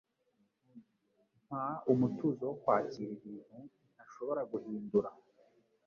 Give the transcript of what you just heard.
Mpa umutuzo wo kwakira ibintu ntashobora guhindura,